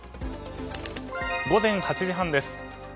午前８時半です。